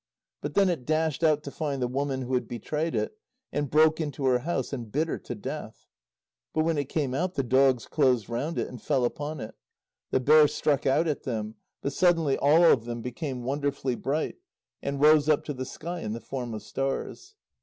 But then it dashed out to find the woman who had betrayed it, and broke into her house and bit her to death. But when it came out, the dogs closed round it and fell upon it. The bear struck out at them, but suddenly all of them became wonderfully bright, and rose up to the sky in the form of stars.